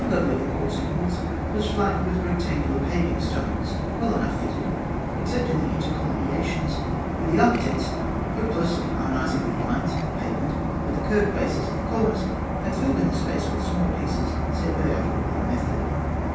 ] The ground level of the courts and halls was flagged with rectangular paving stones, well enough fitted, except in the intercolumniations, where the architects, hopeless of harmonising the lines of the pavement with the curved bases of the columns, have filled in the space with small pieces, set without order or method (fig.